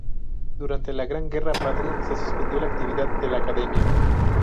Durante la Gran Guerra Patria se suspendió la actividad de la Academia.